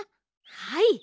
はい。